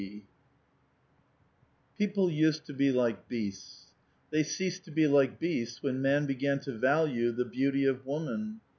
'* People used to be like beasts. They ceased to be like beasts when man began to value the beauty of woman.